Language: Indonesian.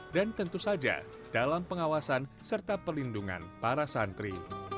dan tentu saja dalam pengawasan serta perlindungan para santri